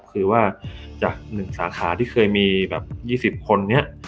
คือว่าจาก๑สาขาที่เคยมีแบบ๒๐คนนี้